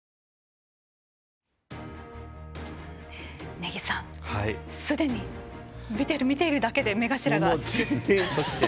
根木さん、すでにＶＴＲを見ているだけで目頭が熱く。